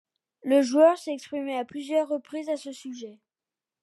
Le joueur s'est exprimé à plusieurs reprises à ce sujet.